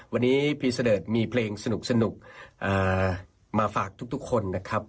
วันนี้พี่เสดิร์ดมีเพลงสนุกมาฝากทุกคนนะครับ